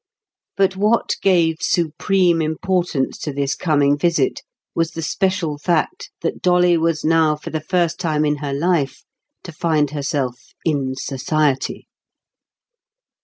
But what gave supreme importance to this coming visit was the special fact that Dolly was now for the first time in her life to find herself "in society".